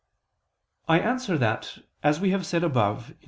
I answer that, As we have said above (Q.